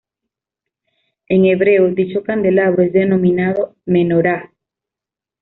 En hebreo, dicho candelabro es denominado "menorá".